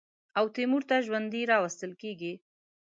او تیمور ته ژوندی راوستل کېږي.